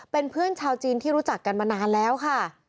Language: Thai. เป็นเพื่อนชาวจีนที่รู้จักกันมานานแล้วค่ะ